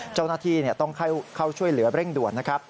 เจ้าหน้าที่ต้องเข้าช่วยเหลือเร่งด่วนนะครับ